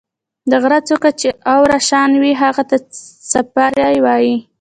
د غرۀ څُوكه چې اواره شان وي هغې ته څپرے وائي۔